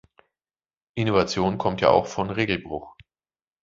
Innovation kommt ja auch von Regelbruch.